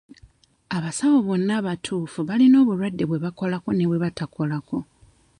Abasawo bonna abatuufu balina obulwadde bwe bakolako ne bwe batakolako.